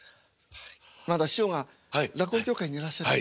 まだ師匠が落語協会にいらっしゃった時。